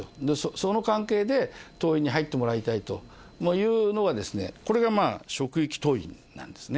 その関係で党員に入ってもらいたいというのは、これが職域党員なんですね。